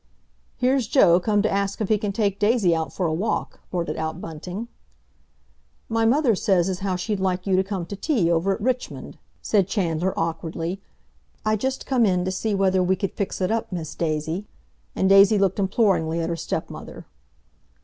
"Here's Joe come to ask if he can take Daisy out for a walk," blurted out Bunting. "My mother says as how she'd like you to come to tea, over at Richmond," said Chandler awkwardly, "I just come in to see whether we could fix it up, Miss Daisy." And Daisy looked imploringly at her stepmother.